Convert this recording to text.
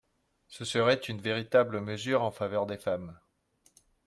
Ce serait une véritable mesure en faveur des femmes.